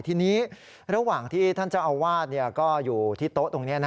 ทีนี้ระหว่างที่ท่านเจ้าอาวาสก็อยู่ที่โต๊ะตรงนี้